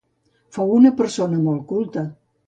Fou una persona molt culta.